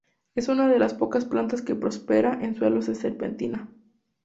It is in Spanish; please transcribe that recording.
Es una de las pocas plantas que prospera en suelos de serpentina.